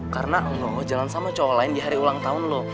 karena lo jalan sama cowok lain di hari ulang tahun lo